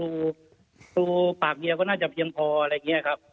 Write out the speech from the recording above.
ดูปากเนี่ยก็น่าจะเพียงพออะไรเงี้ยครับ